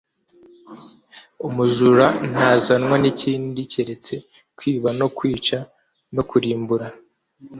Umujura ntazanwa n'ikindi keretse kwiba no kwica no kurimbura,